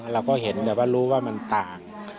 เราก็เห็นแต่ว่ารู้ว่ามันต่าง